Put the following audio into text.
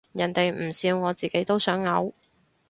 人哋唔笑我自己都想嘔